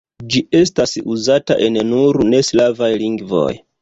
Ĝi estas uzata en nur ne slavaj lingvoj.